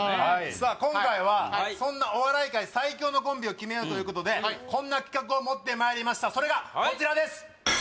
今回はそんなお笑い界最強のコンビを決めようということでこんな企画を持ってまいりましたそれがこちらです